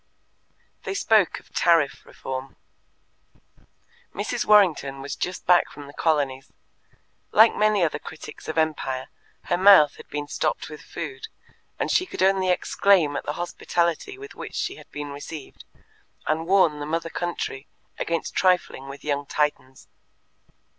They spoke of Tariff Reform. Mrs. Warrington was just back from the Colonies. Like many other critics of Empire, her mouth had been stopped with food, and she could only exclaim at the hospitality with which she had been received, and warn the Mother Country against trifling with young Titans.